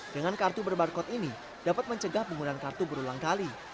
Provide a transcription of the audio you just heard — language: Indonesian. dengan kartu berbarcode ini dapat mencegah penggunaan kartu berulang kali